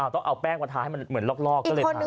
ต้องเอาแป้งมาทาให้มันเหมือนลอกก็เลยทาน